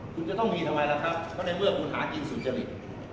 คุณจะต้องมีทำไมล่ะครับเพราะในเมื่อคุณหากินสุจริต